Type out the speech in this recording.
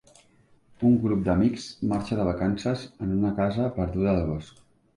Un grup d'amics marxa de vacances en una casa perduda al bosc.